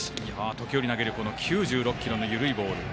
時折投げる９６キロの緩いボール。